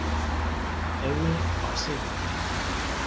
Ew ê asê bike.